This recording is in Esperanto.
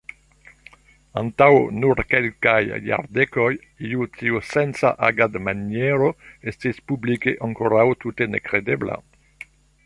Antaŭ nur kelkaj jardekoj, iu tiusenca agadmaniero estis publike ankoraŭ tute nekredebla.